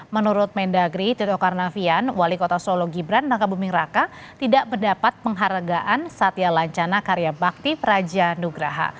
menurut mendagri tito karnavian wali kota solo gibran raka buming raka tidak mendapat penghargaan satya lancana karya bakti praja nugraha